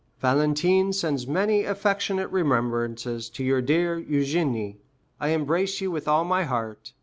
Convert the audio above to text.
Valentine sends many affectionate remembrances to your dear Eugénie. I embrace you with all my heart.